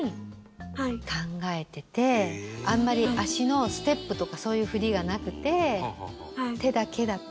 あんまり足のステップとかそういう振りがなくて手だけだった。